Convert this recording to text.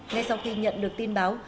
ngay sau khi nhận được tin báo